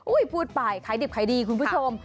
อุ้ยพูดไปใครดิบใครดีคุณผู้ชม